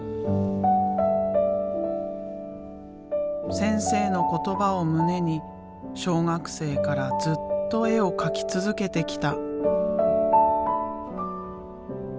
先生の言葉を胸に小学生からずっと絵を描き続けてきた。